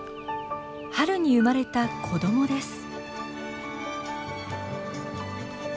春に生まれた子どもです。